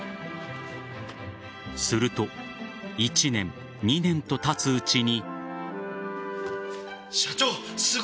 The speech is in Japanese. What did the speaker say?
すると１年、２年とたつうちに。